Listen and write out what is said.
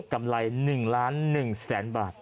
กำไร๑ล้าน๑แสนบาท